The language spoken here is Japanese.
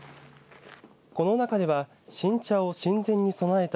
この中では新茶を神前に供えた